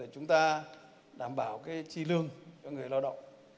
chúng ta đảm bảo chi lương cho người lao động